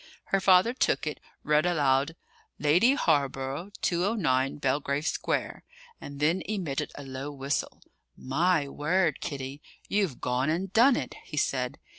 Her father took it, read aloud: "Lady Hawborough, 209, Belgrave Square," and then emitted a low whistle. "My word, Kitty, you've gone and done it!" he said.